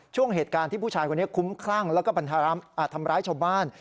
ช่วงเหตุการณ์ที่ผู้ชายคนนี้คุ้มคลั่งแล้วก็ทำร้ายชาวบ้าน